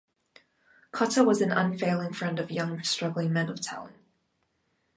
Cotta was an unfailing friend of young struggling men of talent.